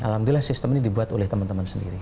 alhamdulillah sistem ini dibuat oleh teman teman sendiri